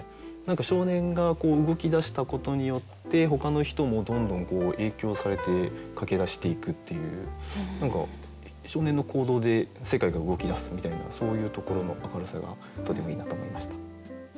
少年が動き出したことによってほかの人もどんどん影響されて駆け出していくっていう何か少年の行動で世界が動き出すみたいなそういうところの明るさがとてもいいなと思いました。